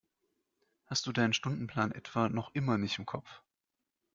Hast du deinen Stundenplan etwa noch immer nicht im Kopf?